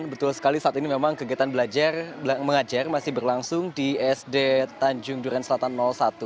betul sekali saat ini memang kegiatan belajar mengajar masih berlangsung di sd tanjung duren selatan satu